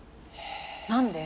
何で？